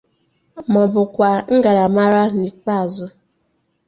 maọbụ kwaa 'ngarammara' n'ikpeazụ